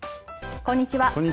こんにちは。